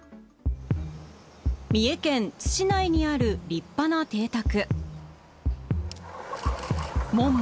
三重県津市内にある立派な邸宅。